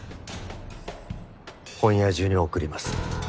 今夜中に送ります。